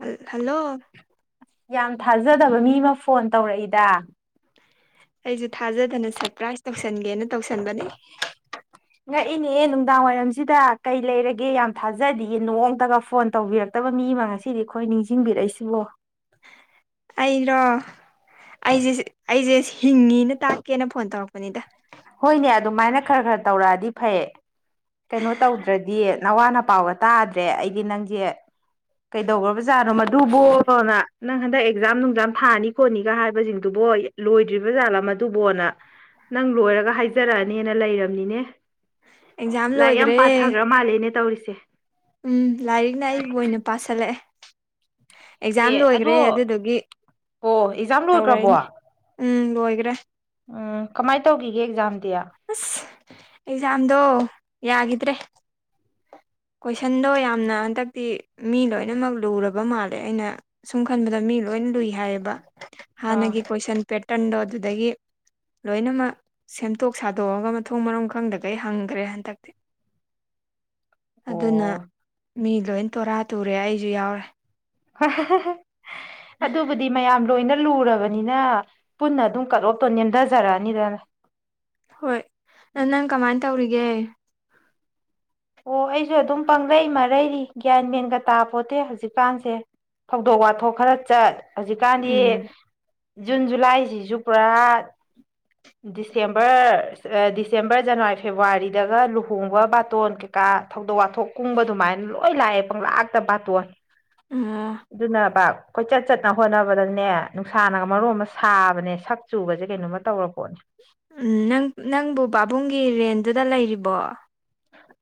ꯍꯜ ꯍꯜꯂꯣ ꯌꯥꯝ ꯊꯥꯖꯗꯕ ꯃꯤ ꯑꯃ ꯐꯣꯟ ꯇꯧꯔꯛꯏꯗ ꯑꯩꯖꯨ ꯊꯥꯖꯗꯅ ꯁꯔꯄ꯭ꯔꯥꯏꯖ ꯇꯧꯁꯟꯒꯦꯅ ꯇꯧꯁꯟꯕꯅꯤ ꯉꯛꯏꯅꯦ ꯅꯨꯡꯗꯥꯡ ꯋꯥꯏꯔꯝꯁꯤꯗ ꯀꯩ ꯂꯩꯔꯒꯦ ꯌꯥꯝ ꯊꯥꯖꯗꯤꯌꯦ ꯅꯣꯡꯃꯇꯒ ꯐꯣꯟ ꯇꯧꯕꯤꯔꯛ ꯔꯛꯇꯕ ꯃꯤ ꯑꯃ ꯉꯁꯤꯗꯤ ꯑꯩꯈꯣꯏ ꯅꯤꯡꯁꯤꯡꯕꯤꯔꯛꯏꯁꯤꯕꯣ ꯑꯩꯔꯣ ꯑꯩꯁꯦ ꯑꯩꯁꯦ ꯍꯤꯡꯉꯤꯅ ꯇꯥꯛꯀꯦꯅ ꯐꯣꯟ ꯇꯧꯔꯛꯄꯅꯤꯗ ꯍꯣꯏꯅꯦ ꯑꯗꯨꯃꯥꯏꯅ ꯈꯔ ꯈꯔ ꯇꯧꯔꯛꯑꯗꯤ ꯐꯩ ꯀꯩꯅꯣ ꯇꯧꯗ꯭ꯔꯗꯤ ꯅꯋꯥ ꯅꯄꯥꯎꯒ ꯇꯥꯗ꯭ꯔꯦ ꯑꯩꯗꯤ ꯅꯪꯁꯦ ꯀꯩꯗꯧꯈ꯭ꯔꯕꯖꯥꯠꯅꯣ ꯃꯗꯨꯕꯣꯅ ꯅꯪ ꯍꯟꯗꯛ ꯑꯦꯛꯖꯥꯝ ꯅꯨꯡꯖꯥꯝ ꯊꯥꯅꯤ ꯈꯣꯠꯅꯤꯒ ꯍꯥꯏꯕꯁꯤꯡꯗꯨꯕꯣ ꯂꯣꯏꯗ꯭ꯔꯤꯕ ꯖꯥꯠꯂꯥ ꯃꯗꯨꯕꯣꯅ ꯅꯪ ꯂꯣꯏꯔꯒ ꯍꯥꯏꯖꯔꯛꯑꯅꯤꯅ ꯂꯩꯔꯝꯅꯤꯅꯦ ꯑꯦꯛꯖꯥꯝ ꯂꯥꯏꯔꯤꯛ ꯌꯥꯝ ꯂꯣꯏꯈ꯭ꯔꯦ ꯄꯥꯊꯈ꯭ꯔ ꯃꯥꯜꯂꯦꯅꯦ ꯇꯧꯔꯤꯁꯦ ꯎꯝ ꯂꯥꯏꯔꯤꯛꯅ ꯑꯩꯕꯨ ꯑꯣꯏꯅ ꯄꯥꯁꯤꯜꯂꯛꯑꯦ ꯑꯦꯛꯖꯥꯝ ꯑꯦ ꯂꯣꯏꯈ꯭ꯔꯦ ꯑꯗꯣ ꯑꯗꯨꯗꯨꯒꯤ ꯑꯣ ꯑꯦꯛꯖꯥꯝ ꯂꯣꯏꯈ꯭ꯔꯕꯣ ꯇꯧꯔꯛꯏꯅꯤ ꯎꯝ ꯂꯣꯏꯒ꯭ꯔꯦ ꯎꯝ ꯀꯃꯥꯏꯅ ꯇꯧꯒꯤꯒꯦ ꯑꯦꯛꯖꯥꯝꯗꯤ ꯑꯁ ꯑꯦꯛꯖꯥꯝꯗꯣ ꯌꯥꯒꯤꯗ꯭ꯔꯦ ꯀꯣꯏꯁꯟꯗꯣ ꯌꯥꯝꯅ ꯍꯟꯗꯛꯇꯤ ꯃꯤ ꯂꯣꯏꯅꯃꯛ ꯂꯨꯔꯕ ꯃꯥꯜꯂꯦ ꯑꯩꯅ ꯁꯨꯝ ꯈꯟꯕꯗ ꯃꯤ ꯂꯣꯏ ꯂꯨꯏ ꯍꯥꯏꯌꯦꯕ ꯍꯥꯟꯅꯒꯤ ꯀꯣꯏꯁꯟ ꯄꯦꯇꯔꯟꯗꯣ ꯑꯗꯨꯗꯒꯤ ꯂꯣꯏꯅꯃꯛ ꯁꯦꯝꯗꯣꯛ ꯁꯥꯗꯣꯛꯑꯒ ꯃꯊꯣꯡ ꯃꯔꯥꯝ ꯈꯪꯗꯒꯩ ꯍꯪꯈ꯭ꯔꯦ ꯍꯟꯗꯛꯇꯤ ꯑꯗꯨꯅ ꯑꯣ ꯃꯤ ꯂꯣꯏ ꯇꯣꯔꯥ ꯇꯨꯔꯦ ꯑꯩꯁꯨ ꯌꯥꯎꯔꯦ ꯑꯗꯨꯕꯨꯗꯤ ꯃꯌꯥꯝ ꯂꯣꯏꯅ ꯂꯨꯔꯕꯅꯤꯅ ꯄꯨꯟꯅ ꯑꯗꯨꯝ ꯀꯠ ꯑꯣꯐꯇꯣ ꯅꯦꯝꯊꯖꯔꯛꯑꯅꯤꯗ ꯍꯣꯏ ꯅꯪ ꯀꯃꯥꯏꯅ ꯇꯧꯔꯤꯒꯦ ꯍꯣ ꯑꯩꯁꯨ ꯑꯗꯨꯝ ꯄꯥꯡꯂꯩ ꯃꯔꯩꯔꯤ ꯒ꯭ꯌꯥꯟ ꯃꯦꯟꯒ ꯇꯥꯄꯣꯠꯇꯦ ꯍꯧꯖꯤꯛꯀꯥꯟꯁꯦ ꯊꯧꯗꯣꯛ ꯋꯥꯊꯣꯛ ꯈꯔ ꯆꯠ ꯍꯧꯖꯤꯛꯀꯥꯟꯗꯤ ꯎꯝ ꯖꯨꯟ ꯖꯨꯂꯥꯏꯁꯤꯁꯨ ꯄꯨꯔꯥ ꯗꯤꯁꯦꯝꯕꯔ ꯗꯤꯁꯦꯝꯕꯔ ꯖꯅꯋꯥꯔꯤ ꯐꯦꯕꯋꯥꯔꯤꯗꯒ ꯂꯨꯍꯣꯡꯕ ꯕꯥꯇꯣꯟ ꯀꯥ ꯊꯧꯗꯣꯛ ꯋꯥꯊꯣꯛ ꯀꯨꯡꯕ ꯑꯗꯨꯃꯥꯏꯅ ꯂꯣꯏ ꯂꯥꯛꯑꯦ ꯄꯪꯂꯥꯛꯇ ꯕꯥꯇꯣꯟ [inaudible] ꯑꯗꯨꯅ ꯚ ꯀꯣꯏꯆꯠ ꯆꯠꯅ ꯍꯣꯠꯅꯕꯗꯅꯦ ꯅꯨꯡꯁꯥꯅꯒ ꯃꯔꯣ ꯑꯃ ꯁꯥꯕꯅꯦ ꯁꯛ ꯆꯨꯕꯁꯦ ꯀꯩꯅꯣꯝꯃ ꯇꯧꯔ ꯄꯣꯠꯅꯦ ꯎꯝ ꯅꯪ ꯅꯪꯕꯨ ꯄꯥꯕꯨꯡꯒꯤ ꯔꯦꯟꯗꯨꯗ ꯂꯩꯔꯤꯕꯣ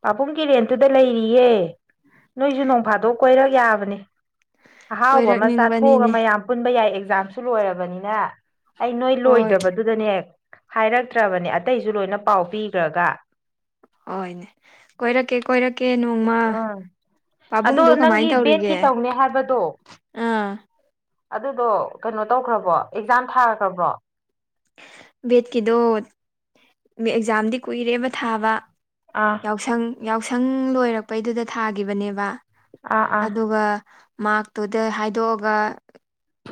ꯄꯥꯕꯨꯡꯒꯤ ꯔꯦꯟꯠꯇꯨꯗ ꯂꯩꯔꯤꯌꯦ ꯅꯣꯏꯁꯨ ꯅꯣꯡ ꯐꯥꯗꯣꯛ ꯀꯣꯏꯔꯛ ꯌꯥꯕꯅꯦ ꯑꯍꯥꯎꯕ ꯑꯃ ꯆꯥꯊꯣꯛꯑꯒ ꯀꯣꯏꯔꯛꯅꯤꯡꯕꯅꯤꯅꯦ ꯃꯌꯥꯝ ꯄꯨꯟꯕ ꯌꯥꯏ ꯑꯦꯛꯖꯥꯝꯁꯨ ꯂꯣꯏꯔꯕꯅꯤꯅ ꯑꯩ ꯅꯣꯏ ꯍꯣꯏ ꯂꯣꯏꯗꯕꯗꯨꯗꯅꯦ ꯍꯥꯏꯔꯛꯇ꯭ꯔꯕꯅꯦ ꯑꯇꯩꯁꯨ ꯂꯣꯏꯅ ꯄꯥꯎ ꯄꯤꯈ꯭ꯔꯒ ꯍꯣꯏꯅꯦ ꯀꯣꯏꯔꯛꯀꯦ ꯀꯣꯏꯔꯛꯀꯦ ꯅꯣꯡꯃ ꯎꯝ ꯑꯗꯣ ꯄꯥꯕꯨꯡꯗꯨ ꯅꯪꯒꯤ ꯀꯃꯥꯏꯅ ꯕꯦꯠꯀꯤ ꯇꯧꯔꯤꯒꯦ ꯇꯧꯅꯤ ꯍꯥꯏꯕꯗꯣ ꯑꯥ ꯑꯗꯨꯗꯣ ꯀꯩꯅꯣ ꯇꯧꯈ꯭ꯔꯕꯣ ꯑꯦꯛꯖꯥꯝ ꯊꯥꯈ꯭ꯔꯕ꯭ꯔꯣ ꯕꯦꯠꯀꯤꯗꯣ ꯃꯦ ꯑꯦꯛꯖꯥꯝꯗꯤ ꯀꯨꯏꯔꯦꯕ ꯊꯥꯕ ꯑꯥ ꯌꯥꯎꯁꯪ ꯌꯥꯎꯁꯪ ꯂꯣꯏꯔꯛꯄꯩꯗꯨꯗ ꯊꯥꯒꯤꯈꯤꯕꯅꯦꯕ ꯑꯥ ꯑꯥ ꯑꯗꯨꯒ ꯃꯥꯔꯛꯇꯨꯗ ꯍꯥꯏꯗꯣꯛꯑꯒ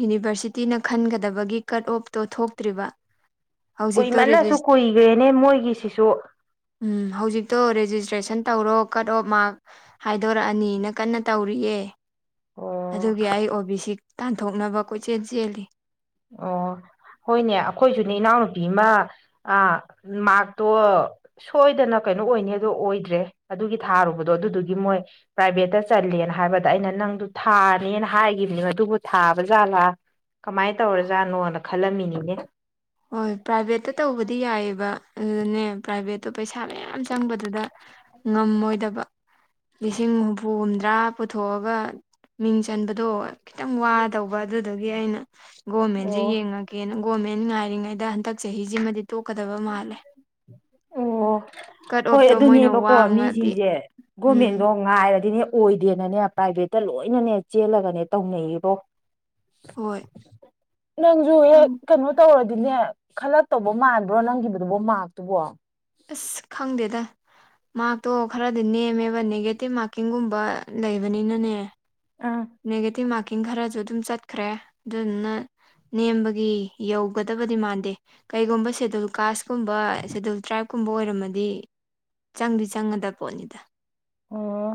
ꯌꯨꯅꯤꯚꯔꯁꯤꯇꯤꯅ ꯈꯟꯒꯗꯕꯒꯤ ꯀꯠ ꯑꯣꯞꯇꯣ ꯊꯣꯛꯇ꯭ꯔꯤꯕ ꯍꯧꯖꯤꯛꯇꯣ ꯀꯨꯏꯃꯟꯅꯁꯨ ꯔꯦꯖꯤꯁ ꯀꯨꯏꯈ꯭ꯔꯦꯅꯦ ꯃꯣꯏꯒꯤꯁꯤꯁꯨ ꯎꯝ ꯍꯧꯖꯤꯛꯇꯣ ꯔꯦꯖꯤꯁꯇ꯭ꯔꯦꯁꯟ ꯇꯧꯔꯣ ꯀꯠ ꯑꯣꯐ ꯃꯥꯔꯛ ꯍꯥꯏꯗꯣꯔꯛꯑꯅꯤꯅ ꯀꯟꯅ ꯇꯧꯔꯤꯑꯦ ꯑꯣ ꯑꯗꯨꯒꯤ ꯑꯩ ꯑꯣ ꯕꯤ ꯁꯤ ꯇꯥꯟꯊꯣꯛꯅꯕ ꯀꯣꯏꯆꯦꯜ ꯆꯦꯜꯂꯤ ꯑꯣ ꯍꯣꯏꯅꯦ ꯑꯩꯈꯣꯏꯁꯨꯅꯦ ꯏꯅꯥꯎꯅꯨꯄꯤ ꯑꯃ ꯃꯥꯔꯛꯇꯣ ꯁꯣꯏꯗꯅ ꯀꯩꯅꯣ ꯑꯣꯏꯅꯤꯗꯣ ꯑꯣꯏꯗ꯭ꯔꯦ ꯑꯗꯨꯒꯤ ꯊꯥꯔꯨꯕꯗꯣ ꯑꯗꯨꯗꯨꯒꯤ ꯃꯣꯏ ꯄ꯭ꯔꯥꯏꯚꯦꯠꯇ ꯆꯜꯂꯦꯅ ꯍꯥꯏꯕꯗ ꯑꯩꯅ ꯅꯪꯗꯨ ꯊꯥꯅꯦꯅ ꯍꯥꯏꯈꯤꯕꯅꯤ ꯑꯗꯨꯕꯨ ꯊꯥꯕ ꯖꯥꯠꯂꯥ ꯀꯃꯥꯏꯅ ꯇꯧꯔꯖꯥꯠꯅꯣꯅ ꯈꯜꯂꯝꯃꯤꯅꯤꯅꯦ ꯍꯣꯏ ꯄ꯭ꯔꯥꯏꯚꯦꯠꯇ ꯇꯧꯕꯗꯤ ꯌꯥꯏꯑꯦꯕ ꯑꯗꯨꯗꯅꯦ ꯄ꯭ꯔꯥꯏꯚꯦꯠꯇꯣ ꯄꯩꯁꯥ ꯃꯌꯥꯝ ꯆꯪꯕꯗꯨꯗ ꯉꯝꯃꯣꯏꯗꯕ ꯂꯤꯁꯤꯡ ꯍꯨꯝꯐꯨ ꯍꯨꯝꯗ꯭ꯔꯥ ꯄꯨꯊꯣꯛꯑꯒ ꯃꯤꯡ ꯆꯟꯕꯗꯣ ꯈꯤꯇꯪ ꯋꯥꯗꯧꯕ ꯑꯗꯨꯗꯨꯒꯤ ꯑꯩꯅ ꯒꯣꯔꯃꯦꯟꯁꯦ ꯑꯣ ꯌꯦꯡꯉ ꯒꯦꯅꯣ ꯒꯣꯔꯃꯦꯟ ꯉꯥꯏꯔꯤꯉꯩꯗ ꯍꯟꯗꯛ ꯆꯍꯤꯁꯤꯃꯗꯤ ꯇꯣꯛꯀꯗꯕ ꯃꯥꯜꯂꯦ ꯑꯣ ꯀꯠ ꯍꯣꯏ ꯑꯣꯐꯇꯣ ꯃꯣꯏꯅ ꯑꯗꯨꯅꯦꯕꯀꯣ ꯋꯥꯡꯉꯗꯤ ꯃꯤꯁꯤꯡꯁꯦ ꯎꯝ ꯒꯣꯔꯃꯦꯟꯗꯣ ꯉꯥꯏꯔꯗꯤꯅꯦ ꯑꯣꯏꯗꯦꯅꯅꯦ ꯄ꯭ꯔꯥꯏꯚꯦꯠꯇ ꯂꯣꯏꯅꯅꯦ ꯆꯦꯜꯂꯒꯅꯦ ꯇꯧꯅꯩꯉꯣ ꯍꯣꯏ ꯅꯪꯁꯨ ꯈꯪ ꯍꯦꯛ ꯀꯩꯅꯣ ꯇꯧꯔꯗꯤꯅꯦ ꯈꯜꯂꯛꯇꯧꯕ ꯃꯥꯟꯕ꯭ꯔꯣ ꯅꯪꯒꯤꯕꯗꯨꯕꯣ ꯃꯥꯛꯇꯨꯕꯣ ꯑꯁ ꯈꯪꯗꯦꯗ ꯃꯥꯔꯛꯇꯣ ꯈꯔꯗꯤ ꯅꯦꯝꯃꯦꯕ ꯅꯦꯒꯦꯇꯤꯞ ꯃꯥꯔꯀꯤꯡꯒꯨꯝꯕ ꯂꯩꯕꯅꯤꯅꯅꯦ ꯑꯥ ꯅꯦꯒꯦꯇꯤꯞ ꯃꯥꯔꯀꯤꯡ ꯈꯔꯁꯨ ꯑꯗꯨꯝ ꯆꯠꯈ꯭ꯔꯦ ꯑꯗꯨꯗꯨꯅ ꯅꯦꯝꯕꯒꯤ ꯌꯧꯒꯗꯕꯗꯤ ꯃꯥꯟꯗꯦ ꯀꯩꯒꯨꯝꯕ ꯁꯦꯗꯨꯜ ꯀꯥꯁ ꯀꯨꯝꯕ ꯁꯦꯗꯨꯜ ꯇ꯭ꯔꯥꯏꯞꯀꯨꯝꯕ ꯑꯣꯏꯔꯝꯃꯗꯤ ꯆꯪꯗꯤ ꯆꯪꯒꯗꯕ ꯄꯣꯠꯅꯤꯗ ꯑꯣ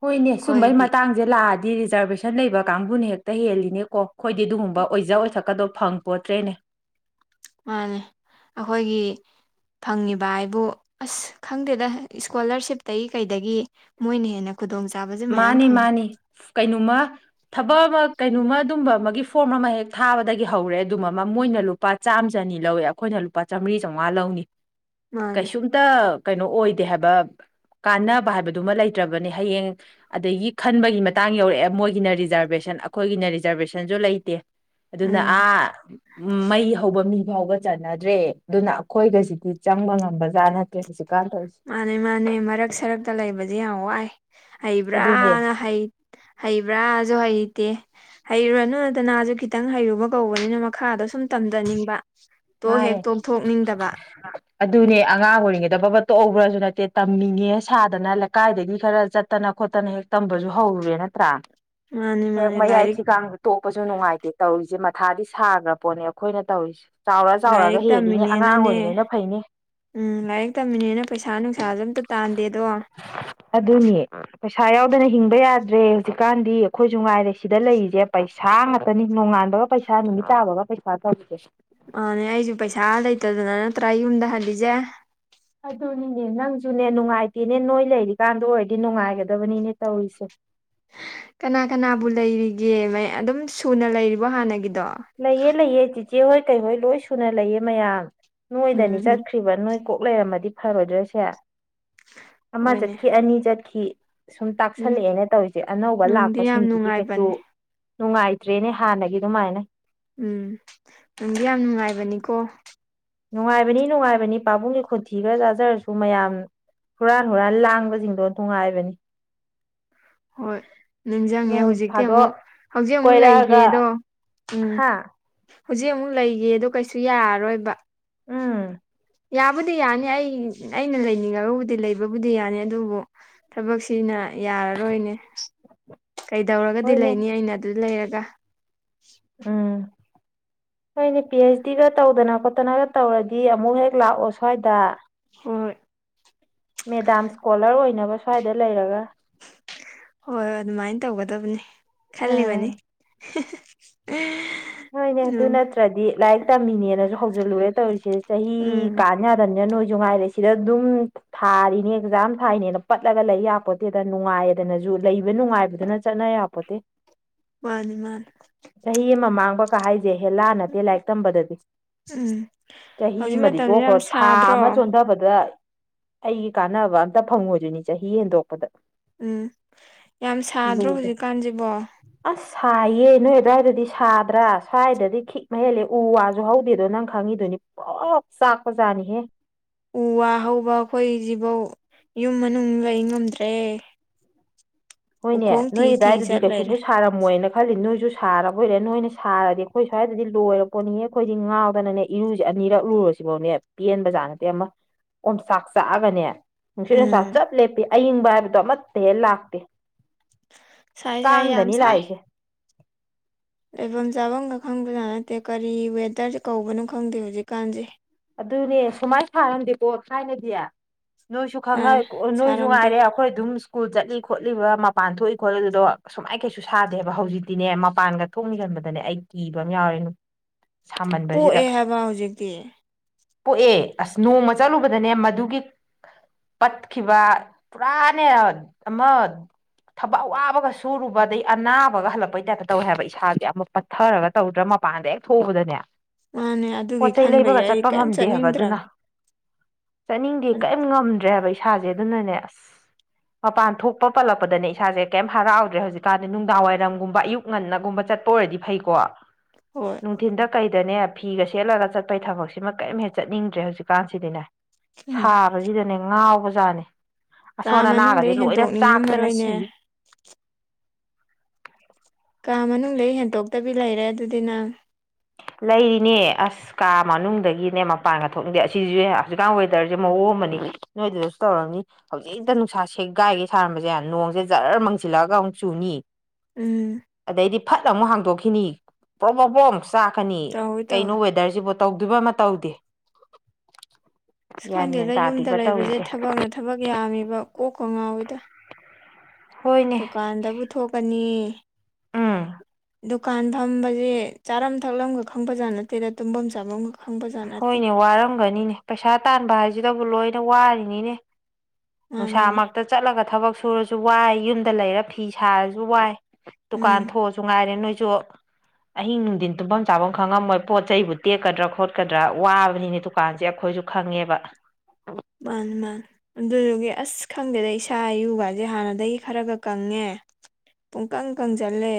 ꯍꯣꯏꯅꯦ ꯁꯨꯝꯕꯩ ꯑꯩꯈꯣꯏꯗꯤ ꯃꯇꯥꯡ ꯁꯦ ꯂꯥꯛꯑꯗꯤ ꯔꯤꯖꯥꯔꯕꯦꯁꯟ ꯂꯩꯕ ꯀꯥꯡꯕꯨꯅ ꯍꯦꯛꯇ ꯍꯦꯜꯂꯤꯅꯦꯀꯣ ꯑꯩꯈꯣꯏꯗꯤ ꯑꯗꯨꯒꯨꯝꯕ ꯑꯣꯏꯖ ꯑꯣꯏꯊꯛꯀꯗꯣ ꯐꯪ ꯀꯣꯠꯇ꯭ꯔꯦꯅꯦ ꯃꯥꯅꯦ ꯑꯩꯈꯣꯏꯒꯤ ꯐꯪꯉꯤꯕ ꯍꯥꯏꯕꯨ ꯑꯁ ꯈꯪꯗꯦꯗ ꯏꯁꯀꯣꯂꯔꯁꯤꯞꯇꯒꯤ ꯀꯩꯗꯒꯤ ꯃꯣꯏꯅ ꯍꯦꯟꯅ ꯈꯨꯗꯣꯡ ꯆꯥꯕꯁꯦ ꯃꯌꯥꯝ ꯐꯪꯉꯤ ꯀꯩꯅꯣꯃ ꯊꯕꯛ ꯑꯃ ꯀꯩꯅꯣꯃ ꯑꯗꯨꯝꯕ ꯑꯃꯒꯤ ꯐꯣꯔꯝ ꯑꯃ ꯍꯦꯛ ꯊꯥꯕꯗꯒꯤ ꯍꯧꯔꯦ ꯑꯗꯨꯝꯕ ꯑꯃ ꯃꯣꯏꯅ ꯂ ꯂꯨꯄꯥ ꯆꯥꯝꯃ ꯆꯅꯤ ꯂꯧꯏ ꯑꯩꯈꯣꯏꯅ ꯂꯨꯄꯥ ꯆꯥꯝꯔꯤ ꯆꯥꯝꯃꯉꯥ ꯂꯧꯅꯤ [inaudible] ꯀꯩꯁꯨꯝꯇ ꯀꯩꯅꯣ ꯑꯣꯏꯗꯦ ꯍꯥꯏꯕ ꯀꯥꯟꯅꯕ ꯍꯥꯏꯕꯗꯨꯃ ꯂꯩꯇ꯭ꯔꯕꯅꯦ ꯍꯌꯦꯡ ꯑꯗꯒꯤ ꯈꯟꯕꯒꯤ ꯃꯇꯥꯡ ꯌꯧꯔꯛꯑꯦ ꯃꯣꯏꯒꯤꯅ ꯔꯤꯖꯔꯕꯦꯁꯟ ꯑꯩꯈꯣꯏꯒꯤꯅ ꯔꯤꯖꯔꯕꯦꯁꯟꯁꯨ ꯂꯩꯇꯦ ꯑꯗꯨꯅ ꯎꯝ ꯑꯥ ꯃꯩ ꯍꯧ ꯊꯧꯕ ꯃꯤ ꯐꯥꯎꯕ ꯆꯅꯗ꯭ꯔꯦ ꯑꯗꯨꯅ ꯑꯩꯈꯣꯏꯒꯁꯤꯗꯤ ꯆꯪꯕ ꯉꯝꯕꯖꯥꯠ ꯅꯠꯇ꯭ꯔꯦ ꯍꯧꯖꯤꯛꯀꯥꯟ ꯃꯥꯅꯦ ꯃꯥꯅꯦ ꯃꯔꯛ ꯁꯔꯛꯇ ꯂꯩꯕꯗꯤ ꯌꯥꯝ ꯋꯥꯏ ꯑꯗꯨꯅꯦ ꯍꯩꯕ꯭ꯔꯥꯅ ꯍꯩ ꯍꯩꯕ꯭ꯔꯥꯁꯨ ꯍꯩꯇꯦ ꯍꯩꯔꯨꯔꯅꯨꯗꯅꯥꯁꯨ ꯈꯤꯇꯪ ꯍꯩꯔꯨꯕ ꯀꯧꯕꯅꯤꯅ ꯃꯈꯥꯗꯣ ꯁꯨꯝ ꯇꯝꯖꯅꯤꯡꯕ ꯇꯣꯛ ꯃꯥꯅꯦ ꯍꯦꯛ ꯇꯣꯛꯊꯣꯛꯅꯤꯡꯗꯕ [unintelligible] ꯑꯗꯨꯅꯦ ꯑꯉꯥꯡ ꯑꯣꯏꯔꯤꯉꯩꯗ ꯕꯕꯠ ꯇꯣꯛꯍꯧꯕ꯭ꯔꯁꯨ ꯅꯠꯇꯦ ꯇꯝꯃꯤꯉꯦ ꯁꯥꯗꯅ ꯂꯩꯀꯥꯏꯗꯒꯤ ꯈꯔ ꯆꯠ ꯐꯠꯇꯅ ꯈꯣꯠꯇꯅ ꯍꯦꯛ ꯇꯝꯕꯁꯨ ꯍꯧꯔꯨꯔꯦ ꯅꯠꯇ꯭ꯔꯥ ꯃꯥꯅꯦ ꯍꯦꯛ ꯃꯥꯅꯦ ꯃꯌꯥꯏ ꯂꯥꯏꯔꯤꯛ ꯊꯤꯀꯥꯡ ꯇꯣꯛꯄꯁꯨ ꯅꯨꯡꯉꯥꯏꯇꯦ ꯇꯧꯔꯤꯁꯦ ꯃꯊꯥꯗꯤ ꯁꯥꯈ꯭ꯔ ꯄꯣꯠꯅꯦ ꯑꯩꯈꯣꯏꯅ ꯇꯧꯔꯤꯁꯦ ꯆꯥꯎꯔ ꯆꯥꯎꯔꯒ ꯂꯥꯏꯔꯤꯛ ꯍꯦꯜꯂꯤꯅꯦ ꯑꯉꯥꯡ ꯇꯝꯃꯤꯅꯦꯅꯅꯦ ꯑꯣꯏꯔꯤꯉꯩꯅ ꯐꯩꯅꯦ ꯎꯝ ꯂꯥꯏꯔꯤꯛ ꯇꯝꯃꯤꯅꯦꯅ ꯄꯩꯁꯥ ꯅꯨꯡꯁꯥꯁꯨ ꯑꯝꯇ ꯇꯥꯟꯗꯦ ꯑꯗꯣ ꯑꯗꯨꯅꯤ ꯄꯩꯁꯥ ꯌꯥꯎꯗꯅ ꯍꯤꯡꯕ ꯌꯥꯗ꯭ꯔꯦ ꯍꯧꯖꯤꯛꯀꯥꯟꯗꯤ ꯑꯩꯈꯣꯏꯁꯨ ꯉꯥꯏꯔꯦ ꯁꯤꯗ ꯂꯩꯔꯤꯁꯦ ꯄꯩ- ꯁꯥ ꯉꯥꯛꯇꯅꯤ ꯅꯣꯡꯉꯥꯟꯕꯒ ꯄꯩꯁꯥ ꯅꯨꯃꯤꯠ ꯇꯥꯕꯒ ꯄꯩꯁꯥ ꯇꯧꯔꯤꯁꯦ ꯑꯅꯦ ꯑꯩꯁꯨ ꯄꯩꯁꯥ ꯂꯩꯇꯗꯅ ꯅꯠꯇ꯭ꯔꯥ ꯌꯨꯝꯗ ꯍꯜꯂꯤꯁꯦ ꯑꯗꯨꯅꯤꯅꯦ ꯅꯪꯁꯨꯅꯦ ꯅꯨꯡꯉꯥꯏꯇꯦꯅꯦ ꯅꯣꯏ ꯂꯩꯔꯤꯀꯥꯟꯗ ꯑꯣꯏꯔꯗꯤ ꯅꯨꯡꯉꯥꯏꯒꯗꯕꯅꯤꯅꯦ ꯇꯧꯔꯤꯁꯦ ꯀꯅꯥ ꯀꯅꯥꯕꯨ ꯂꯩꯔꯤꯒꯦ ꯃ ꯑꯗꯨꯝ ꯁꯨꯅ ꯂꯩꯔꯤꯕꯣ ꯍꯥꯟꯅꯒꯤꯗꯣ ꯂꯩꯑ ꯂꯩꯑ ꯆꯤꯆꯦ ꯍꯣꯏ ꯀꯩꯍꯣꯏ ꯂꯣꯏ ꯁꯨꯅ ꯂꯩꯑ ꯃꯌꯥꯝ ꯎꯝ ꯅꯣꯏꯗꯅꯤ ꯎꯝ ꯆꯠꯈ꯭ꯔꯤꯕ ꯅꯣꯏ ꯀꯣꯛ ꯂꯩꯔꯝꯃꯗꯤ ꯐꯔꯣꯏꯗ꯭ꯔꯣꯏꯁꯦ ꯑꯃ ꯍꯣꯏꯅꯦ ꯆꯠꯈꯤ ꯑꯅꯤ ꯆꯠꯈꯤ ꯁꯨꯝ ꯎꯝ ꯇꯥꯛꯁꯜꯂꯛꯑꯦꯅ ꯇꯧꯔꯤꯁꯦ ꯑꯅꯧꯕ ꯅꯨꯡꯗꯤ ꯌꯥꯝ ꯂꯥꯛꯄꯁꯤꯡꯁꯤꯗꯤ ꯀꯩꯁꯨ ꯅꯨꯡꯉꯥꯏꯕꯅꯦ ꯅꯨꯡꯉꯥꯏꯇ꯭ꯔꯦꯅꯦ ꯍꯥꯟꯅꯒꯤ ꯑꯗꯨꯃꯥꯏꯅ ꯎꯝ ꯅꯨꯡꯗꯤ ꯌꯥꯝ ꯅꯨꯡꯉꯥꯏꯕꯅꯤꯀꯣ ꯅꯨꯡꯉꯥꯏꯕꯅꯤ ꯅꯨꯡꯉꯥꯏꯕꯅꯤ ꯄꯥꯕꯨꯡꯒꯤ ꯈꯣꯟꯊꯤ ꯈꯔ ꯆꯥꯖꯔꯁꯨ ꯃꯌꯥꯝ ꯍꯨꯔꯥꯟ ꯍꯨꯔꯥꯟ ꯂꯥꯡꯕꯁꯤꯡꯗꯣ ꯅꯨꯡꯉꯥꯏꯕꯅꯤ [unintelligible] ꯍꯣꯏ ꯅꯤꯡꯁꯤꯡꯉꯦ ꯅꯣꯡ ꯍꯧꯖꯤꯛꯇꯤ ꯐꯥꯗꯣꯛ ꯑꯃꯨꯛ ꯍꯧꯖꯤꯛ ꯑꯃꯨꯛ ꯂꯩꯒꯦꯗꯣ ꯎꯝ ꯍꯥꯥ ꯍꯧꯖꯤꯛ ꯑꯃꯨꯛ ꯂꯩꯒꯦꯗꯣ ꯀꯩꯁꯨ ꯌꯥꯔꯔꯣꯏꯕ ꯎꯝ ꯌꯥꯕꯨꯗꯤ ꯌꯥꯅꯤ ꯑꯩ ꯑꯩꯅ ꯂꯩꯅꯤꯡꯉꯒꯕꯨꯗꯤ ꯂꯩꯕꯕꯨꯗꯤ ꯌꯥꯅꯤ ꯑꯗꯨꯕꯨ ꯊꯕꯛꯁꯤꯅ ꯌꯥꯔꯔꯣꯏꯅꯦ ꯀꯩꯗꯧꯔꯒꯗꯤ ꯍꯣꯏꯅꯦ ꯂꯩꯅꯤ ꯑꯩꯅ ꯑꯗꯨ ꯂꯩꯔꯒ ꯎꯝ ꯅꯣꯏꯅ ꯄꯤ ꯑꯩꯩꯆ ꯗꯤꯒ ꯇꯧꯗꯅ ꯈꯣꯠꯇꯅꯒ ꯇꯧꯔꯗꯤ ꯑꯃꯨꯛ ꯍꯦꯛ ꯂꯥꯛꯑꯣ ꯁ꯭ꯋꯥꯏꯗ ꯍꯣꯏ ꯍꯣꯏ ꯃꯦꯗꯥꯝ ꯏꯁꯀꯣꯂꯔ ꯑꯣꯏꯅꯕ ꯁ꯭ꯋꯥꯏꯗ ꯂꯩꯔꯒ ꯍꯣꯏ ꯑꯗꯨꯃꯥꯏꯅ ꯇꯧꯒꯗꯕꯅꯤ ꯎꯝ ꯈꯜꯂꯤꯕꯅꯤ ꯍꯣꯏꯅꯦ ꯑꯗꯨ ꯎꯝ ꯅꯠꯇ꯭ꯔꯗꯤ ꯂꯥꯏꯔꯤꯛ ꯇꯝꯃꯤꯅꯦꯅꯁꯨ ꯍꯧꯖꯤꯜꯂꯨꯔꯦ ꯇꯧꯔꯤꯁꯦ ꯆꯍꯤ ꯎꯝ ꯀꯥꯟ ꯌꯥꯗꯝꯅꯤꯅ ꯅꯣꯏꯁꯨ ꯉꯥꯏꯔꯦ ꯁꯤꯗ ꯑꯗꯨꯝ ꯊꯥꯔꯤꯅꯦ ꯑꯦꯛꯖꯥꯝ ꯊꯥꯏꯅꯦꯅ ꯄꯠꯂꯒ ꯂꯩ ꯌꯥꯥꯛꯄꯣꯠꯇꯦꯗ ꯅꯨꯡꯉꯥꯏꯅꯁꯨ ꯂꯩꯕ ꯅꯨꯡꯉꯥꯏꯕꯗꯨꯅ ꯆꯠꯅ ꯌꯥꯄꯣꯠꯇꯦ ꯃꯥꯅꯤ ꯃꯥꯅꯤ ꯆꯍꯤ ꯑꯃ ꯃꯥꯡꯕ ꯀ ꯍꯥꯏꯁꯦ ꯍꯦꯂꯥ ꯅꯠꯇꯦ ꯂꯥꯏꯔꯤꯛ ꯇꯝꯕꯗꯗꯤ ꯎꯝ ꯆꯍꯤ ꯍꯧꯖꯤꯛ ꯑꯃꯗꯤ ꯃꯇꯝꯁꯦ ꯇꯣꯛꯈ꯭ꯔꯣ ꯌꯥꯝ ꯊꯥ ꯁꯥꯗ꯭ꯔꯣ ꯑꯃ ꯆꯣꯟꯊꯕꯗ ꯑꯩꯒꯤ ꯀꯥꯟꯅꯕ ꯑꯝꯇ ꯐꯪꯉꯣꯏꯗꯣꯏꯅꯤ ꯆꯍꯤ ꯍꯦꯟꯗꯣꯛꯄꯗ ꯎꯝ ꯌꯥꯝ ꯁꯥꯗ꯭ꯔꯣ ꯂꯨꯕ ꯍꯧꯖꯤꯛꯀꯥꯟꯁꯤꯕꯣ ꯑꯁ ꯁꯥꯏꯌꯦ ꯅꯣꯏ ꯑꯗꯨꯋꯥꯏꯗꯗꯤ ꯁꯥꯕ ꯇ꯭ꯔꯥ ꯁ꯭ꯋꯥꯏꯗꯗꯤ ꯈꯤꯛꯅ ꯍꯦꯜꯂꯦ ꯎ ꯋꯥꯁꯨ ꯍꯧꯗꯦꯗꯣ ꯅꯪ ꯈꯪꯉꯤꯗꯨꯅꯤ ꯄꯔꯣꯛ ꯄꯔꯣꯛ ꯆꯥꯛꯄꯖꯠꯅꯤ ꯎ ꯋꯥ ꯍꯧꯕ ꯑꯩꯈꯣꯏꯁꯤꯐꯧ ꯌꯨꯝ ꯃꯅꯨꯡ ꯂꯩ ꯉꯝꯗ꯭ꯔꯦ ꯍꯣꯏꯅꯦ ꯎꯈꯣꯡ ꯊꯤ ꯅꯣꯏꯒꯤ ꯊꯤ ꯑꯗꯨꯋꯥꯢꯗꯨꯗꯤ ꯆꯠ ꯀꯩꯁꯨꯨꯝ ꯂꯩꯔꯦ ꯁ ꯁꯥꯔꯝꯃꯣꯏꯅ ꯈꯜꯂꯤ ꯅꯣꯏꯁꯨ ꯁꯥꯔꯕꯣꯏꯔꯦ ꯅꯣꯏꯅ ꯁꯥꯔꯗꯤ ꯑꯩꯈꯣꯏ ꯁ꯭ꯋꯥꯏꯗꯗꯤ ꯂꯣꯏꯔ ꯄꯣꯠꯅꯤꯉꯦ ꯑꯩꯈꯣꯏꯗꯤ ꯉꯥꯎꯗꯅꯅꯦ ꯏꯔꯨꯁꯦ ꯑꯅꯤꯔꯛ ꯂꯨꯔꯁꯤꯐꯥꯎꯅꯦ ꯄꯦꯟꯕꯖꯥꯠ ꯅꯠꯇꯦ ꯑꯃ ꯑꯣꯡꯆꯥꯛ ꯆꯥꯛꯑꯒꯅꯦ ꯅꯨꯡꯁꯤꯠ ꯅꯨꯡꯁꯥ ꯎꯝ ꯆꯞ ꯂꯦꯞꯄꯤ ꯑꯏꯤꯡꯕ ꯍꯥꯏꯕꯗꯣ ꯑꯃꯠꯇ ꯍꯦꯛ ꯂꯥꯛꯇꯦ ꯁꯥꯏ ꯁꯥꯏ ꯌꯥꯝ ꯀꯥꯡꯗꯅꯤ ꯁꯥꯏ ꯂꯥꯛꯏꯁꯦ ꯂꯩꯐꯝ ꯆꯥꯐꯝꯒ ꯈꯪꯗꯖꯥꯠ ꯅꯠꯇꯦ ꯀꯔꯤ ꯋꯦꯗꯔꯁꯦ ꯀꯧꯕꯅꯣ ꯈꯪꯗꯦ ꯍꯧꯖꯤꯛꯀꯥꯟꯁꯦ ꯑꯗꯨꯅꯦ ꯁꯨꯃꯥꯏꯅ ꯁꯥꯔꯝꯗꯦꯀꯣ ꯊꯥꯏꯅꯗꯤ ꯅꯣꯏꯁꯨ ꯈꯪꯉꯦ ꯍꯥꯟꯅ ꯅꯣꯏꯁꯨ ꯁꯥꯔꯝꯗꯦ ꯉꯥꯏꯔꯦ ꯑꯩꯈꯣꯏ ꯑꯗꯨꯝ ꯁ꯭ꯀꯨꯜ ꯆꯠꯂꯤ ꯈꯣꯠꯂꯤꯕ ꯃꯄꯥꯟ ꯊꯣꯛꯏ ꯈꯣꯠꯂꯤꯕꯗꯣ ꯁꯨꯃꯥꯏꯅ ꯀꯩꯁꯨ ꯁꯥꯗꯦꯕ ꯍꯧꯖꯤꯛꯇꯤꯅꯦ ꯃꯄꯥꯟꯒ ꯊꯣꯛꯅꯤ ꯈꯟꯕꯗꯅꯦ ꯑꯩ ꯀꯤꯕ ꯑꯃ ꯌꯥꯎꯔꯦ ꯁꯥꯃꯟꯕꯁꯤꯗ ꯄꯣꯛꯑꯦ ꯍꯥꯏꯕ ꯍꯧꯖꯤꯛꯇꯤ ꯄꯣꯛꯑꯦ ꯑꯁ ꯅꯣꯡꯃ ꯆꯠꯂꯨꯕꯗꯅꯦ ꯃꯗꯨꯒꯤ ꯄꯠꯈꯤꯕ ꯄꯨꯔꯥꯅꯦ ꯑꯃ ꯊꯕꯛ ꯑꯋꯥꯕꯒ ꯁꯨꯔꯨꯕ ꯑꯗꯒꯤ ꯑꯅꯥꯕꯒ ꯍꯜꯂꯛꯄꯩ ꯇꯥꯏꯞꯇ ꯇꯧꯋꯦ ꯍꯥꯏꯕ ꯏꯁꯥꯥꯁꯦ ꯑꯃꯨꯛ ꯄꯠꯊꯔꯒ ꯇꯧꯗ꯭ꯔꯥ ꯃꯄꯥꯟꯗ ꯍꯦꯛ ꯊꯣꯛꯕꯗꯅꯦ ꯃꯥꯅꯦ ꯑꯗꯨꯒꯤ ꯈꯟꯕꯒꯤ ꯑꯩ ꯀꯩꯝ ꯉꯝꯗꯦ ꯍꯥꯏꯕ ꯆꯠꯅꯤꯡꯗ꯭ꯔꯕꯅꯤ ꯑꯗꯨꯅ ꯆꯠꯅꯤꯡꯗꯦ ꯀꯔꯤꯝ ꯉꯝꯗ꯭ꯔꯦꯕ ꯏꯁꯥꯁꯦ ꯑꯗꯨꯅꯅꯦ ꯑꯁ [inaudible] ꯃꯄꯥꯟ ꯊꯣꯛꯄ ꯄꯜꯂꯛꯄꯗꯅꯦ ꯏꯁꯥꯁꯦ ꯀꯩꯝ ꯍꯔꯥꯎꯗ꯭ꯔꯦ ꯍꯧꯖꯤꯛꯀꯥꯟꯗꯤ ꯅꯨꯡꯗꯥꯡ ꯋꯥꯏꯔꯝꯒꯨꯝꯕ ꯑꯌꯨꯛ ꯉꯟꯅꯒꯨꯝꯕ ꯆꯠꯄ ꯑꯣꯏꯔꯗꯤ ꯐꯩꯀꯣ ꯍꯣꯏ ꯅꯨꯡꯊꯤꯟꯗ ꯀꯩꯗꯅꯦ ꯐꯤꯒ ꯁꯦꯠꯂꯒ ꯆꯠꯄꯩ ꯊꯕꯛꯁꯤꯃ ꯀꯔꯤꯝ ꯍꯦꯛ ꯆꯠꯅꯤꯡꯗ꯭ꯔꯦ ꯍꯧꯖꯤꯛꯀꯥꯟꯁꯤꯗꯤꯅꯦ ꯎꯝ ꯁꯥꯕꯁꯤꯗꯅꯦ ꯉꯥꯎꯕ ꯖꯥꯠꯅꯤ ꯀꯥ ꯑꯁꯣꯟ ꯑꯅꯥꯒꯗꯤ ꯃꯅꯨꯡꯗꯩ ꯂꯣꯏꯅ ꯆꯥꯛꯇꯅ ꯍꯦꯟꯇꯣꯛꯅꯤꯡꯉꯝꯃꯔꯣꯏꯅꯦ ꯁꯤꯅꯤ ꯀꯥ ꯃꯅꯨꯡꯗꯩ ꯍꯦꯟꯇꯣꯛꯇꯕꯤ ꯂꯩꯔꯦ ꯑꯗꯨꯗꯤ ꯅꯪ ꯂꯩꯔꯤꯅꯦ ꯑꯁ ꯁ ꯀꯥ ꯃꯅꯨꯡꯗꯒꯤꯅꯦ ꯃꯄꯥꯟꯒ ꯊꯣꯛꯅꯤꯡꯗꯦ ꯑꯁꯤꯁꯨ ꯍꯧꯖꯤꯛꯀꯥꯟ ꯋꯦꯗꯔꯁꯦ ꯃꯑꯣꯡ ꯑꯃꯅꯤ ꯅꯣꯏꯗꯨꯗꯁꯨ ꯇꯧꯔꯝꯅꯤ ꯍꯧꯖꯤꯛꯇ ꯅꯨꯡꯁꯥ ꯁꯦꯒꯥꯏꯒꯩ ꯁꯥꯔꯝꯕꯁꯦ ꯅꯣꯡꯁꯦ ꯖꯔ ꯃꯪꯁꯤꯜꯂꯑꯒ ꯑꯃꯨꯛ ꯆꯨꯅꯤ ꯎꯝ ꯑꯗꯩꯗꯤ ꯐꯠ ꯑꯃꯨꯛ ꯍꯥꯡꯗꯣꯛꯈꯤꯅꯤ ꯄ꯭ꯔꯣꯛ ꯄ꯭ꯔꯣꯛ ꯄ꯭ꯔꯣꯛ ꯈꯅꯤ ꯇꯧꯋꯤ ꯀꯩꯅꯣ ꯇꯧꯋꯤ ꯋꯦꯗꯔꯁꯤꯕꯨ ꯇꯧꯗꯣꯏꯕ ꯑꯃ ꯇꯧꯗꯦ ꯑꯁ ꯒ꯭ꯌꯥꯟ ꯃꯦꯟ ꯈꯪꯗꯦꯗ ꯌꯨꯝꯗ ꯇꯥꯗꯦꯕ ꯂꯩꯕꯁꯦ ꯇꯧꯔꯤꯁꯦ ꯊꯕꯛꯅ ꯊꯕꯛ ꯌꯥꯝꯃꯤꯕ ꯀꯣꯛꯀ ꯉꯥꯎꯋꯤꯗ ꯍꯣꯏꯅꯦ ꯗꯨꯀꯥꯟꯗꯕꯨ ꯊꯣꯛꯀꯅꯤ ꯎꯝ ꯗꯨꯀꯥꯟ ꯐꯝꯕꯁꯦ ꯆꯥꯔꯝ ꯊꯛꯂꯝꯒ ꯈꯪꯕꯖꯥꯠ ꯅꯠꯇꯦꯗ ꯇꯨꯝꯕꯝ ꯆꯥꯕꯝꯒ ꯍꯣꯏꯅꯦ ꯋꯥꯔꯝꯒꯅꯤꯅꯦ ꯄꯩꯁꯥ ꯇꯥꯟꯕ ꯍꯥꯏꯁꯤꯗꯕꯨ ꯂꯣꯏꯅ ꯋꯥꯔꯤꯅꯤꯅꯦ ꯃꯥꯅꯤꯅꯦ ꯅꯨꯡꯁꯥꯃꯛꯇ ꯆꯠꯂꯒ ꯊꯕꯛ ꯁꯨꯔꯁꯨ ꯋꯥꯏ ꯌꯨꯝꯗ ꯂꯩꯔ ꯐꯤ ꯁꯥꯔꯁꯨ ꯋꯥꯏ ꯗꯨꯀꯥꯟ ꯎꯝ ꯊꯣꯛꯑꯁꯨ ꯉꯥꯏꯔꯦ ꯅꯣꯏꯁꯨ ꯑꯍꯤꯡ ꯅꯨꯡꯊꯤꯟ ꯇꯨꯝꯐꯝ ꯆꯥꯐꯝ ꯈꯪꯉꯝꯃꯣꯏ ꯄꯣꯠ ꯆꯩꯕꯨ ꯇꯦꯛꯀꯗ꯭ꯔꯥ ꯈꯣꯠꯀꯗ꯭ꯔꯥ ꯋꯥꯕꯅꯤꯅꯦ ꯗꯨꯀꯥꯟꯁꯦ ꯑꯩꯈꯣꯏꯁꯨ ꯈꯪꯉꯦꯕ ꯃꯥꯟꯅꯤ ꯃꯥꯟꯅꯤ ꯑꯗꯨꯗꯨꯒꯤ ꯑꯁ ꯈꯪꯗꯦꯗ ꯏꯁꯥ ꯌꯨꯒꯥꯁꯦ ꯍꯥꯟꯅꯗꯒꯤ ꯈꯔꯒ ꯀꯪꯉꯦ ꯄꯨꯡꯀꯪ ꯀꯪꯁꯤꯜꯂꯦ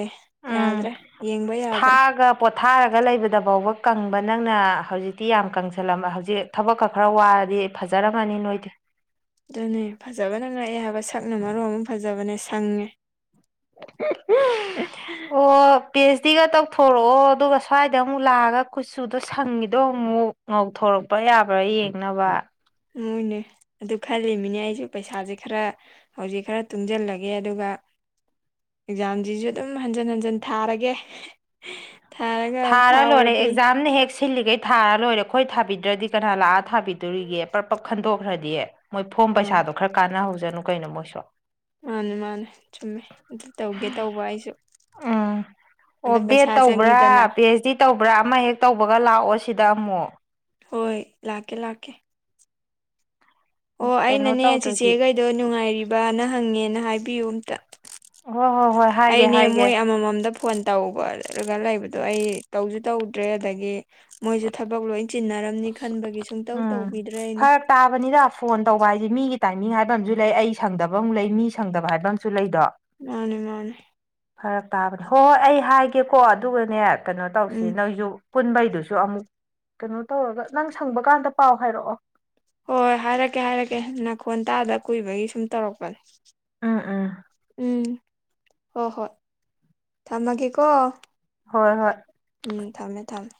ꯎꯝ ꯌꯥꯗ꯭ꯔꯦ ꯌꯦꯡꯕ ꯌꯥꯗ꯭ꯔꯦ ꯊꯥꯒ ꯄꯣꯊꯥꯔꯒ ꯂꯩꯕꯗꯐꯥꯎꯕ ꯀꯪꯕ ꯅꯪꯅ ꯍꯧꯖꯤꯛꯇꯤ ꯌꯥꯝ ꯀꯪꯁꯜꯂꯝꯕ ꯍꯧꯖꯤꯛ ꯊꯕꯛꯀ ꯈꯔ ꯋꯥꯔꯗꯤ ꯐꯖꯔꯝꯃꯅꯤ ꯅꯣꯏꯗꯤ ꯑꯗꯨꯅꯦ ꯐꯖꯕꯅ ꯉꯛꯑꯦ ꯍꯥꯏꯕ ꯁꯛꯅ ꯃꯔꯣ ꯑꯃ ꯐꯖꯕꯅꯦ ꯁꯪꯉꯦ ꯑꯣ ꯄꯦ ꯑꯩꯆ ꯗꯤꯒ ꯇꯧꯊꯣꯔꯛꯑꯣ ꯑꯗꯨꯒ ꯁ꯭ꯋꯥꯏꯗ ꯑꯃꯨꯛ ꯂꯥꯛꯑꯒ ꯀꯨꯆꯨꯗꯣ ꯁꯪꯉꯤꯗꯣ ꯑꯃꯨꯛ ꯉꯧꯊꯣꯔꯛꯄ ꯌꯥꯕ꯭ꯔꯥ ꯌꯦꯡꯅꯕ ꯃꯣꯏꯅꯦ ꯑꯗꯨ ꯈꯜꯂꯤꯃꯤꯅꯦ ꯑꯩꯁꯨ ꯄꯩꯁꯥꯁꯦ ꯈꯔ ꯍꯧꯖꯤꯛ ꯈꯔ ꯇꯨꯡꯁꯤꯜꯂꯒꯦ ꯑꯗꯨꯒ ꯑꯦꯛꯖꯥꯝꯁꯤꯁꯨ ꯑꯗꯨꯝ ꯍꯟꯖꯟ ꯍꯟꯖꯟ ꯊꯥꯔꯒꯦ ꯊꯥꯔꯒ ꯊꯥꯔꯥ ꯂꯣꯏꯅꯦ ꯐꯥꯎꯔꯗꯤ ꯑꯦꯛꯖꯥꯝꯅ ꯍꯦꯛ ꯁꯤꯜꯂꯤꯒꯩ ꯊꯥꯔ ꯂꯣꯏꯔꯦ ꯑꯩꯈꯣꯏ ꯊꯥꯕꯤꯗ꯭ꯔꯗꯤ ꯀꯅꯥ ꯂꯥꯛꯑ ꯊꯥꯕꯤꯗꯣꯔꯤꯒꯦ ꯄꯔꯞ ꯄꯔꯞ ꯈꯟꯗꯣꯛꯈ꯭ꯔꯗꯤ ꯃꯣꯏ ꯐꯣꯝ ꯑꯥ ꯄꯩꯁꯥꯗꯣ ꯈꯔ ꯀꯥꯟꯅꯍꯧꯁꯅꯨ ꯀꯩꯅꯣ ꯃꯣꯏꯁꯨ ꯃꯥꯅꯦ ꯃꯥꯅꯦ ꯆꯨꯝꯃꯦ ꯑꯗꯨ ꯇꯧꯒꯦ ꯇꯧꯕ ꯑꯩꯁꯨ ꯎꯝ ꯑꯣ ꯑꯗꯨꯝ ꯕꯦꯗ ꯄꯩꯁꯥ ꯆꯪꯉꯤꯗꯅ ꯇꯧꯕ꯭ꯔꯥ ꯄꯤ ꯑꯩꯆ ꯗꯤ ꯇꯧꯕ꯭ꯔꯥ ꯑꯃ ꯍꯦꯛ ꯇꯧꯕꯒ ꯂꯥꯛꯑꯣ ꯁꯤꯗ ꯑꯃꯨꯛ ꯍꯣꯏ ꯂꯥꯛꯀꯦ ꯂꯥꯛꯀꯦ ꯑꯣ ꯀꯩꯅꯣ ꯑꯩꯅꯅꯦ ꯇꯧꯗ꯭ꯔꯗꯤ ꯆꯦꯆꯦꯈꯩꯗꯣ ꯅꯨꯡꯉꯥꯏꯔꯤꯕꯅ ꯍꯪꯉꯦꯅ ꯍꯥꯏꯕꯤꯌꯨ ꯑꯝꯇ ꯍꯣꯏ ꯍꯣꯏ ꯍꯣꯏ ꯍꯥꯏꯒꯦ ꯑꯩꯅꯦ ꯍꯥꯏꯒꯦ ꯃꯣꯏ ꯑꯃꯃꯝꯗ ꯐꯣꯟ ꯇꯧꯕ ꯑꯗꯨꯒ ꯂꯩꯕꯗꯣ ꯑꯩ ꯇꯧꯁꯨ ꯇꯧꯗ꯭ꯔꯦ ꯑꯗꯒꯤ ꯃꯣꯏꯁꯨ ꯊꯕꯛ ꯂꯣꯏ ꯆꯤꯟꯅꯔꯝꯅꯤ ꯈꯟꯕꯒꯤ ꯁꯨꯡꯇꯧ ꯎꯝ ꯇꯧꯕꯤꯗ꯭ꯔꯦ ꯑꯩꯅ ꯐꯔꯛ ꯇꯥꯕꯅꯤꯗ ꯐꯣꯟ ꯇꯧꯕ ꯍꯥꯏꯁꯦ ꯃꯤꯒꯤ ꯇꯥꯏꯃꯤꯡ ꯍꯥꯏꯕ ꯑꯃꯖꯨ ꯂꯩ ꯑꯩ ꯁꯪꯗꯕ ꯑꯃꯨꯛ ꯂꯩ ꯃꯤ ꯁꯪꯗꯕ ꯍꯥꯏꯕ ꯑꯝꯖꯨ ꯂꯩꯗꯣ ꯃꯥꯟꯅꯦ ꯃꯥꯟꯅꯦ ꯐꯔꯛ ꯇꯥꯕꯗꯣ ꯍꯣꯏ ꯍꯣꯏ ꯑꯩ ꯍꯥꯏꯒꯦꯀꯣ ꯑꯗꯨꯒꯅꯦ ꯀꯩꯅꯣ ꯇꯧꯁꯤ ꯎꯝ ꯅꯣꯏꯁꯨ ꯄꯨꯟꯕꯩꯗꯨꯁꯨ ꯑꯃꯨꯛ ꯀꯩꯅꯣ ꯇꯧꯔꯒ ꯅꯪ ꯁꯪꯕ ꯀꯥꯟꯗ ꯄꯥꯎ ꯍꯥꯏꯔꯛꯑꯣ ꯍꯣꯏ ꯍꯣꯏ ꯍꯥꯏꯔꯛꯀꯦ ꯍꯥꯏꯔꯛꯀꯦ ꯅꯥꯈꯣꯟ ꯇꯥꯗ ꯀꯨꯏꯕꯒꯤ ꯁꯨꯝ ꯇꯧꯔꯛꯄꯅꯦ ꯎꯝ ꯎꯝ ꯎꯝ ꯍꯣ ꯍꯣ ꯊꯝꯃꯒꯦ ꯀꯣ ꯍꯣꯏ ꯍꯣꯏ ꯎꯝ ꯊꯝꯃꯦ ꯊꯝꯃꯦ